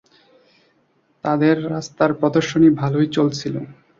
তাঁদের রাস্তার প্রদর্শনী ভালোই চলছিল।